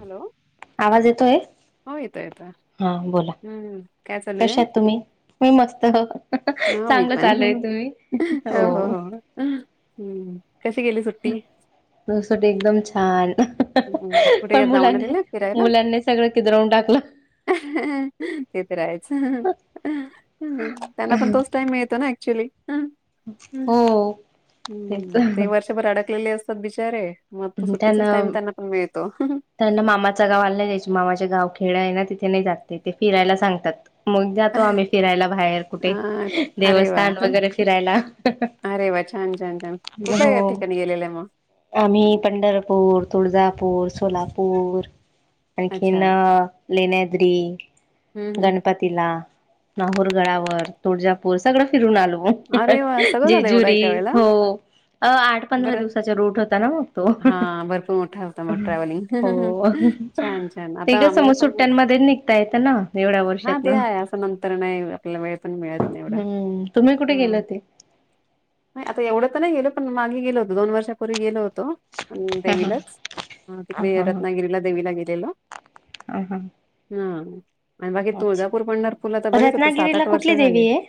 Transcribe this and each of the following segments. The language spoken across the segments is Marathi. हॅलो आवाज येतोय हो येतो येतं हा बोला हम्म काय चालू हे कशा आहात तुम्ही मी मस्त [unintelligible] ह मी चांगलं पण चालू आहे तुम्ही होहो हो हम् [unintelligible] एकदम छान हम् कुठे पण जाऊन मुलांनी आलेला फिरायला मुलांनी सगळं किदरवून टाकलं ते तर आहेच त्यांना पण तोच टाईम मिळतो ना ऍक्च्युली.. हो तेच हम्म ते वर्षभर अडकलेले अस [unintelligible] बिचारे मग सुट्टीचा टाम त्यांना पण मिळतो त्यांना मामाच गावला नाय जायचं मामाचे गाव खेड आहे ना ते ते नाही जात ते फिरायला सांगतात मग जातो आम्ही फिरायला बाहेर अ कुठे अरे वा देवस्थान हं, वगैरे फिरायला.. अरे वा छान छान छान कुठल्या हो या ठिकाणी गेलेल्या मग आम्ही पंढरपूर, तुळजापूर [unintelligible] सोलापूर आणखी अच्छा ना लेण्याद्री. हम्म हम्म. गणपतीला नाहूर गडावर तुळजापूर सगळं फिरून आलो. अरे वा सगळं झालं एवढं एका जेजुरी वेळेला हो आठ पंधरा बरं दिवसाच्या रू [unintelligible] हा भरपूर मोठा होता मग ट्रॅव्हलिंग हो छान छान ते आता कसं मग मी सुट्ट्यांमध्ये निघता येतं ना एवढ्या [unintelligible] हा वर्षात ते ना आहे असं नंतर नाही आपला वेळ पण मिळत नाही एवढा हम्म तुम्ही कुठे गेले हम्म होते आता एवढ तर नाय गेल. मागे गेलो होत दोन वर्षपूर्वी गेल होतो हा हा देवीलाच हा तिकडे हा रत्नागिरीला देवीला गेलेलो हा हा हम्म आणि बाकी तुळजापूर अच्छा पंढरपूर ला तर बरेच होत सात रत्नागिरीला आठ वर्ष कुठली झाले. देवी आहे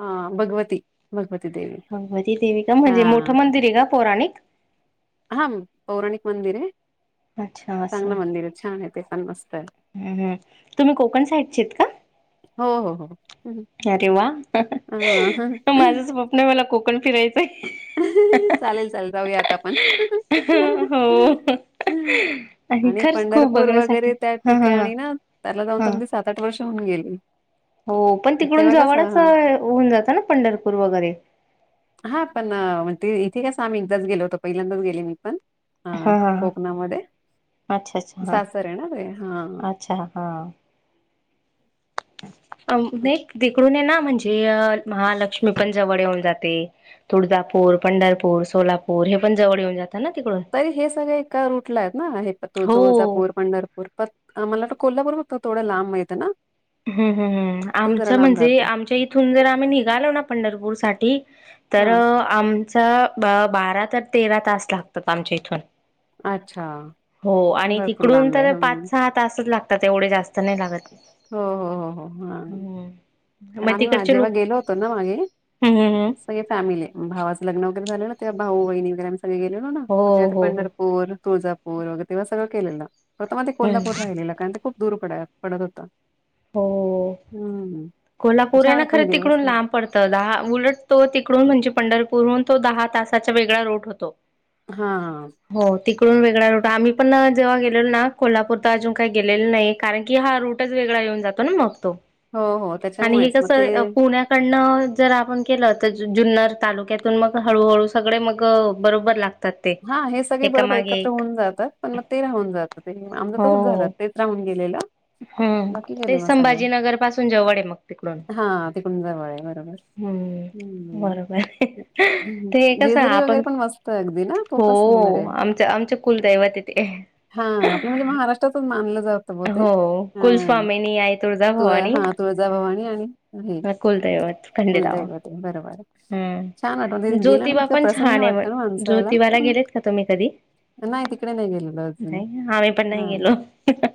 ह भगवती भगवती देवी भगवती देवी का हा म्हणजे मोठं मंदिर आहे का पुराणित हा पौराणिक मंदिर आहे अच्छा चांगलं मंदिर आहे छान आहे ते छान मस्त आहे [unintelligible] हम् हम् तुम्ही कोकण साइडचेत का [unintelligible] हो हो हो्... [inaudible] माझं स्वप्न आहे मला कोकण फिरायचंय चालेल चालेल जाऊयात आपण. [unintelligible] आणि खरंच खूप पंढरपूर बघण्यासाठी वगैरे त्या हा हा हा ठिकाणी ना त्याला जाऊन हा तर अगदी सात आठ वर्ष होऊन गेली हो पण तिकडून तेव्हा जवळच कसं होऊन जातं ना पंढरपूर वगैरे हा पण म्हणजे इथे कस आम्ही एकदाच गेलो होतो पहिल्यांदाच गेलेलो ना हा कोकणामध्ये! अच्छा अच्छा ! हा सासर आहे ना रे हं अच्छा हा अ नाही तिकडून हे ना म्हणजे महालक्ष्मी पण जवळ येऊन जाते तुळजापूर, पंढरपूर, सोलापूर हे पण जवळ येऊन जाते तरी हे सगळे एका रूटला आहेत ना हे तो हो तुळजापूर पंढरपूर आम्हाला तर कोल्हापूर त थोडं लांब मा येतं ना हम् हम् हम् ते जरा आमच्या लांब म्हणजे राहतं आमच्या इथून जर आम्ही निघालो ना पंढरपूर साठी तर हा. आमचा बारा तर तेरा तास लागतात आमच्या इथून अच्छा हो आणि भरपूर तिकडून लांब आहे तर हम्म पाच सहा तासच लाग आता तेवढे जास्त नाही लागत. हो हो हो हो हा हम्म कारण मग आम्ही तिकडचे जेव्हा लोक गेलो होतो ना मागे हम्म हम्म हम्म. सगळे फॅमिली भावाचं लग्न वगैरे झालेलं त्या भाऊ बहिणीगर आम्ही सगळे गेलेलो ना मग ते हो हो हो पंढरपूरुळजापूर वगैर तेव्हा सगळ केलेलं फक्त मग ते हम्म कोल्हापूर राहिलेलं कारण ते खूप दूर पड पडत होत हो हम्म कोल्हापूर आहे छान ना खरं पण दिवस तिकडून लांब पडतं दहा उलटतो तिकडून म्हणजे पंढरप पुरून तो दहा तासाचा वेगळा रोट होतो हा हा ून वेगळा रूट आहे आम्ही पण जेव्हा गेलो ना कोल्हापूर तर अजून काही गेलेो नाही कारण की हा रूटच वेगळा येऊन जातो ना मग तो हो हो आणि हे त्याच्यामुळेच मग ते कसं पुण्याकडनं जर आपण केलं तर जुन्नर तालुक्यातून मग हळूहळू सगळे मग बरोबर लागत हा हे सगळे बरोबर एकत्र होऊन जातात पण मग ते राहून जात ते आमचं तसंच झालं हो तेच राहून गेलेलं हम्म बाकी ते गेले मग सगळे संभाजीनगर पासून जवळ आहे मग तिकडून हा तिकडून जवळ आहे बरोबर हम्म बरोबर आहे हम्म ते हे कसं जेजुरी वगैरे आपण पण मस्त आहे अगदी ना खूपच सुंदर हो आहे आमच आमच्या कुलदैव तथे हां, आपलं म्हणजे महाराष्ट्रातच मानलं आई तुळजा तुळ भवानी हा तुळ जाभवा कुलदैवत खंडेराव कुलदैवते बरोबर छान हम्म वाटवत गेलं ना ज्योतिबा इतकं पण प्रसन्न छान आहे मग वाटण मंसाला ज्योतिबाला गेलेत का तुम्ही कधी नाही गेलेलो अजून. नाही आम्ही पण नाही गेलो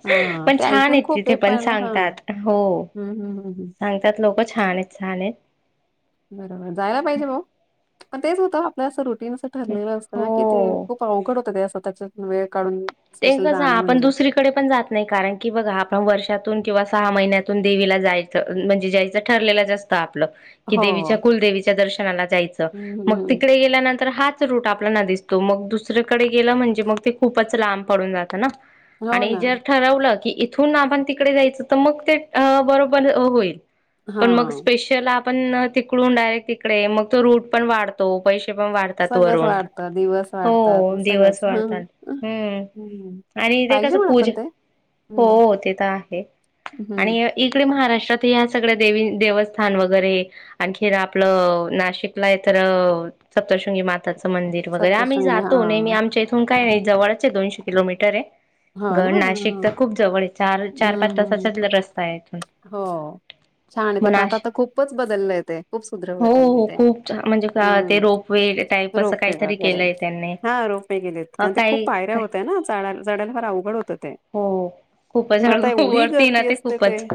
हां, पण ते छान ऐकून येत खूप तिथे आहे पण हां. सांगतात हो हं, हं, हं, हं. सांगतात लोक छान आहेत छान आहेत बरोबर जायला पाहिजे भाऊ म तेच होतं आपल्या रुट ठरलेलं असत ना की ते हो खूप अवघड होत त्या स्वतःच्या वेळ काढून ते स्पेशल कस जाणं आपण म्हणजे. दुसरीकडे पण जात नाही कारण की बघा आपण वर्षातून किंवा सहा महिन्यातून देवीला जायचं म्हणजे जायचं ठरलेलं जास्त हो. देच्या कुलदच्या दर्शनाला जाच हं, हं, मग हं. तिकडे गेल्यानंतर ह रूट आपल्याला दिसतो मग दुसरेकडे गेलं म्हणजे मग ते खूपच लांब पडून जातं ना हो आणि ना. जर ठरवलं की इथून आभण तिकडे जायचं तर मग ते बरोबर होईल पण मग हां. स्पेशल आपण तिकडून डायरेक्ट तिकडे मग तो रूट पण वाढतो पै पण वाढतात सगळंच वरून वाढतं दिवस वाढतात हो मग दिवस सगळंच ह वाढतातम् हम्म आणि ते कस पाहिजे म्हणा पूज पण ते हम्म हो ते तर आहे हम्म आणि इकडे महाराष्ट्र ह्या सगळ्या देवी देवस्थान वगैरे आणखीर आपलं नाशिकला इ तर सप्तशृंगी माात ताचं मंदिर वगैरे आम्ही सप्तशृंगी हा जातो नाहीेही आमच्या इथून काय नाही जवळच आहे दोनशे किलोमीटर आहे हो ना घड नाशिक तर हम्म खूप जवळ आहे चार चार पाच तासाचा रस्ता आहे इथून होा छान आहे ते मग पण आता नाश आता खूपच बदललं आहे ते खूप सुधरवू हो त्यांनी हो ते खूप छान म्हणजे ते हम्म रोपवे टाईप असं रोपवे काहीतरी वगैरे केलंय त्यांनी हा रोपवे गेलेत अ कारण ते खूप काही पायऱ्या काय होत्या ना डला फार अवघड होत ते हो खूपच पण आता हळू एवढी वरती ना गर्दी असते ते खूपच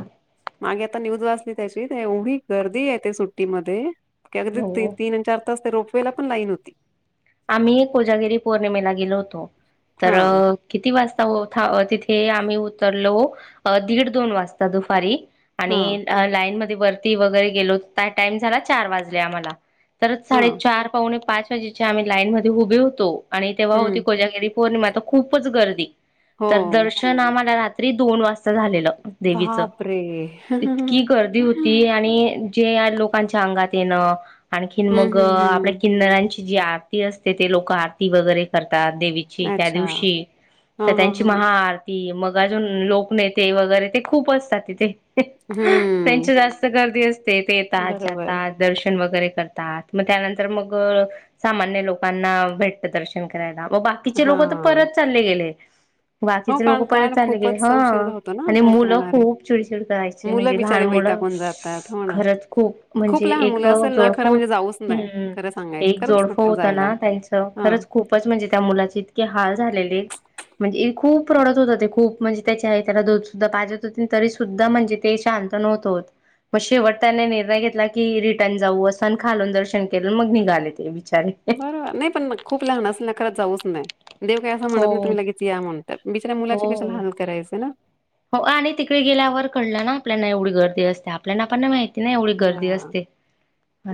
मागे आता न्यूज वाचली त्याची एवढी गर्दी आहे ते सुट्टीमध्येध्ये की अगदी हो तीन आणि चार तास ते रोपवेला पण लाईन होती आम्ही कोजागिरी पौर्णिमेला गेलो होतो तर हा किती वाजता तिथे आम्ही उतरलो दीड दोन वाजता दुपारी हा आणि लाईन मध्ये वरती वगैरे गेलो टाइम झाला चार वाजले आम्हाला तरच हा साडेचार पावणे पाच वाजेच्या आम्ही लाईन मध्ये उभे होतो आणि तेव्हा होती हम्म कोजागिरी पौर्णिमा तर खूपच गर्दी हो तर दर्शन आम्हाला रात्री दोन वाजता झालेलं देवीच बापरे इतकी हम्म गर्दी होती आणि जे लोकांच्या अंगात येण आणख मग हम्म आपल्या हम्म किन्नऱांची जी आरती असते ते लोक आरती वगैरे करते देवीची त्या अच्छा हा दिवशी तर हा त्यांची हा महा आरती मग ाज लोक नेते वगैरे ते खूप असतात तिथे हम्म त्यांची जास्त गर्दी अस तेथ येतात बरोबर जातात दर्शन वगैरे करतात मग त्यानंतर मग सामान्य लोकांना भेटत दर्शन करायला म बाकीचे हा लोक तर परत चालले गेले हो बाकीचे लोक कारण परत कारण चाले गेले ह खूपच उशीर होतो ना आणि काय मुलं करणारे खूप चिडचिड करायचे मुलं म्हणजे लहान बिचारे मुलं वैतागून जातात हो ना खरच खूप म्हणजे लहान एक मुलं असेल ना खरं म्हणजे जाऊच नाही खरं सांगायचं खरंच जोडोड नको होत जायला ना त्यांच हा खरंच खूपच म्हणजे त्या मुलाचे इतके हाल झालेली म्हणजे खूप रोडत होत ते खूप म्हणजे त्याच्या त्याला दूध सुद्धा पाजत होते तरी सुद्धा म्हणजे ते शांत नव्हत होत मग शेवट त्याने निर्णय घेतला की रिटर्न जाऊ असं आणि खालून दर्शन केलं मग निघाले ते बिचारे बरोबर नाही पण खूप लहान असल ना खरंच जाऊच नाही देव काय अस म्हणत हो ना तुम्ही लगेच या म्हणत बिचऱ मुलाची कशाला हो हाल करायचे ना हो आणि तिकडे गेल्यावर कळलं ना आपल्याना एवढी गर्दी असते आपल्यालाना आपण माहिती ति नाही एवढी गर्दी हा असते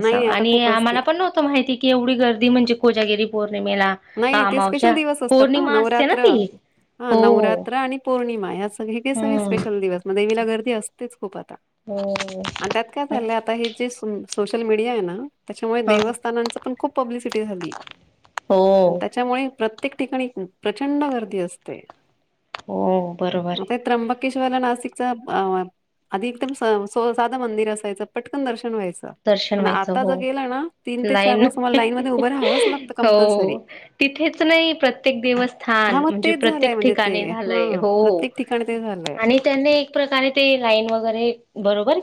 नाही नाही, आता आणि खूप असते आम्हाला पण नव्हतं माहिती की एवढी गर्दी म्हणजे कोजागिरी पौर्णिमेला नाही ते स्पेशल अमावश्या दिवस असतात ना पौर्णिमा असते ना नवरात्र ती हा हो नवरात्र आणि पौर्णिमा या सग हे सगळे हम्म स्पेशल दिवस म देवीला गर्दी असतेच खूप आ हो. आणि त्यात काय झालं आता हे जे सु सोशल मीडिया आहे ना त्याच्यामुळे हा देवस्थानांच पण खूप पब्लिसिटी झाली हो त्याच्यामुळे प्रत्येक ठिकाणी प्रचंड गर्दी असते हो बरोबर आहे ेशवाला नाशिक अ आधिक एकदम साधं मंदिर असायचं पटकन दर्शन व्हायचं दर्शन पण व्हायचं आता ज हो गेलं ना तीन ते चार लाईन वाज मला लाईन म उभं राहावं लातं क हो तिथेच नाही प्रत्येक हां, देवस्थान मग म्हणजे तेच झालंय प्रत्येक म्हणजे ते ठिकाणी झालंय हां, हो प्रत्येक ठिकाणी ते झालंय. आणि त्यां एक प्रकारे ते लाईन वगरे बरोबर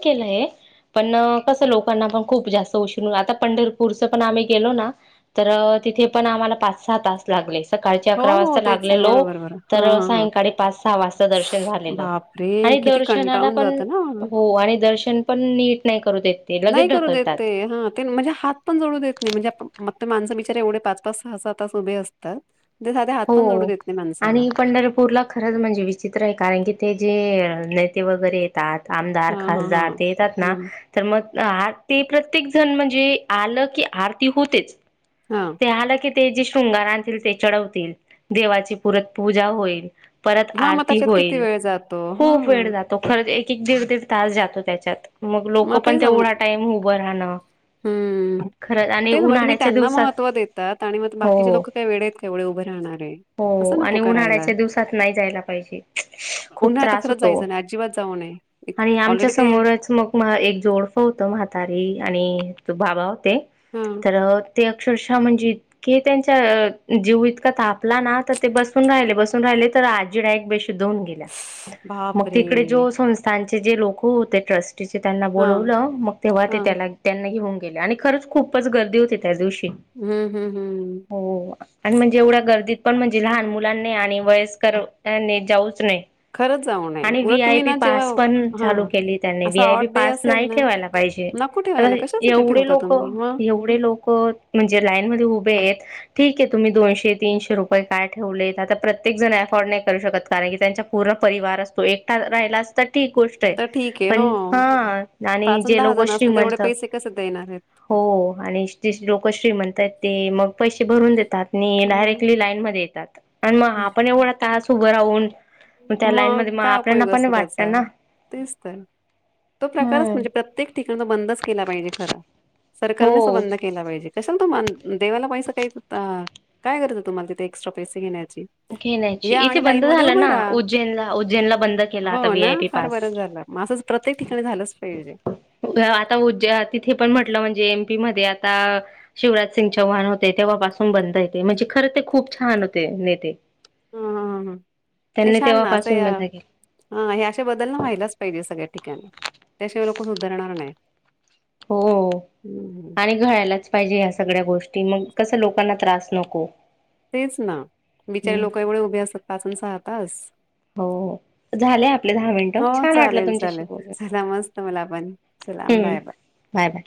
पण क लक ण खूप जास्त उण आता पंढरपूर पण आम्ही गेलो ना तर तिथे पण आम्हाला पाच सहा तास लागले सकाळ हो, अकरा हो, वाजता तेच लागलेलो बरोबर, बरोबर. तर हां, हां, हां. सायळी पाच सहा वाजता दर्शन झालेलं बापरे! किती दर्शनाला कंटाळून पण जातं ना. हो आणि दर्शन पण नीट नाही करू देत ते लगेच नाही करू देत ढकलतात. ते हा ते म्हणजे हात पण जोडू देत नाही म्हणजेण मग त माणस बचार एवढे पाच पाच सहा सात तास उभे असतात ते साधे हात पण जोडू हो देत नाही माणसाला. आणि पंढरपूरला खरंच म्हणजे विचित्र आहे कारण की ते जे नेते वगैरे येतात आमदार हां, हां, खासदार हां. ते येतात ना हं, तर मग ते प्रत्येक जण म्हणजे आलं की आरती होतेच हां. ते आलं की ते जे शृंगार आणतील ते चढवतील देवाची पुरत पूजा होईल परत हां, मग आरती त्याच्यात किती होईल वेळ जातो. खूप वेळ हां, जातो खरं एक एक दीड दीड तास जातो त्याच्यात मग लोक पण ते सम तेवढा टाईम उभं राहणं हं. खरंच मग आणि तेच म्हणजे तुम्ही उन्हाळ्याच्या त्यांना दिवसात महत्त्व देतात आणि मग बाकीचे हो लोक काही वेळे आहेत कावढे उभे राहणारे हो असं नको आणि करायला. उन्हाळ्याच्या दिवसात नाही जायला पाहिजे खूप उन्हाळ्यात तर त्रास खरंच होतो जायचं नाही अजिबात जाऊ नये. इत आणि आमच्या ऑलरेडी ते समोरच मग एक जोडफ होत म्हातारी आणि त बाबा होते हं तर ते अक्षरश म्हणजे इे त्यांचा जीव इतका तापला ना तर ते बसून राहिले बसून राहि तर आ े दन गे मग बापरे! तिकडेो संस्थचे जे लोक होतेट त्यांना हां, बवलं मग तेव हां. त्या त्यां घेऊ ग आणि खरंच खूपच गर्दी होती त्या दिवशी हम्म हम्म हम्म हम् हो आणि म्हणजे एवढ्या गर्दीत पण म्हणजे लहान मुलांनी आणि वयस्कर जाऊच नाही खरंच जाऊ नये. आणि वही उलट तुम्ही आयपी ना जेव्हा पास पण चालू हां, केली त्यांनी व असा आयपी ऑड डे पास असेल नाही ना, ठेवायला पाहिजे नको आ ठेवायला कशासाठी एवढे ठेवता लोक तुम्ही मग? एवढे लोक म्हणजे ते उभे आहेत ठीक आहे तुम्ही दोनशे तिने रुपये काय ठेवलेत आता प्रत्येक जण एफौरड नाही करू शकत की त्यांचा पूर्ण परिवार असतो एक राहिला तर ठीक गोष्ट आहे तर ठीक आहे पण हो. हा आणि अन् जे लोक जण असतील तेवढे श्रीमंतंत पैसे कसे देणार आहेत? हो आणि लोक श्रीमंत ते मग पैसे भरून देतात आणि मग डायरेक्टली लाईन मध्ये येतात आणि मग आपण एवढा तास उभं राहून त्या लाईन मग मध्ये काय आपल्याना उपयोग पण असतो त्याचा वाटतं ना तेचत तो प्रकारच हम्म म्हणजे प्रत्येक ठिकाणी तो बंदच केला पाहिजे खरं हो सरकारनेच बंद केला पाहिजे कश देवाला पैसा काही काय करयचं तुम्हाला तिथे एक्स्ट्रा पैसे घेण्या घेण्याची या इथे आणि लाईन बंद मध्ये झालं उभं ना उज्जैनला उज्जैनला बंद केला हो आता व्ही ना आय पी फार पास बरं झालंं प्रत्येक ठिकाणी झालंच पाहिजे ह्य आता उज्या तिथे पण म्हटलं म्हणजे ते म्हदे आता शिवराज सिंग चौहण होते, तेव्हापासून बंद ये ते म्हणजे खरं ते खूप छान होते. [unintelligible] ते हम्म नाही छान नाच तेव्हापासून या बंद केले हा हे अशे बदल ना व्हायलाच पाहिजे, सगळ्या ठिकाणी त्याशिवाय लोक सुधरणार नाही. हो हम्म आणि घ्यायलाच पाहिजे अस सगळ्या गोष्टी मग कस लोकांना त्रास नको. तेच ना बिचारे हम्म लोकं एवढे उभे असतात पाच अन सहा तास हो हो, झाले आपले दहा मिनिटं हो छान वाटलं चालेल तुमच्याशी चालेल बोलून चला मस्त मला पण [unintelligible] हम्म बाय बाय. Bye bye.